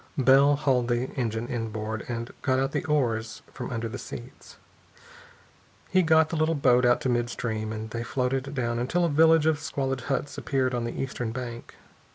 Bell hauled the engine inboard and got out the oars from under the seats. He got the little boat out to mid stream, and they floated down until a village of squalid huts appeared on the eastern bank.